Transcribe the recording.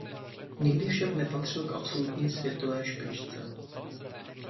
Nikdy však nepatřil k absolutní světové špičce.